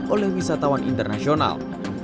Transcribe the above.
oleh wisatawan internasional